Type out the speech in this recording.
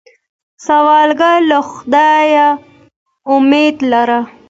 سوالګر له خدایه امید لري